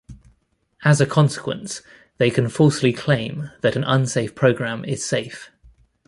As a consequence, they can falsely claim that an unsafe program is safe.